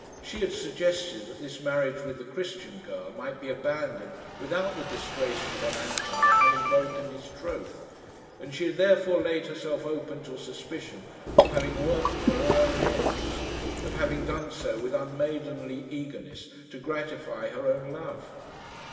She had suggested that this marriage with the Christian girl might be abandoned without the disgrace upon Anton of having broken his troth, and she had thereby laid herself open to a suspicion of having worked for her own ends of having done so with unmaidenly eagerness to gratify her own love.